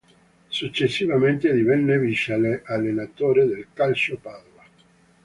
Successivamente divenne vice-allenatore del Calcio Padova.